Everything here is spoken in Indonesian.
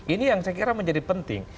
ini yang saya kira menjadi penting